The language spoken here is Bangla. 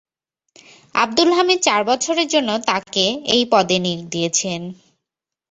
আবদুল হামিদ চার বছরের জন্য তাঁকে এই পদে নিয়োগ দিয়েছেন।